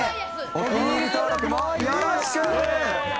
お気に入り登録もよろしく！